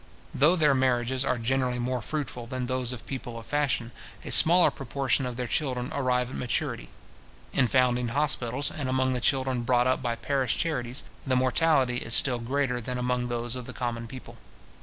Though their marriages are generally more fruitful than those of people of fashion, a smaller proportion of their children arrive at maturity. In foundling hospitals, and among the children brought up by parish charities, the mortality is still greater than among those of the common people.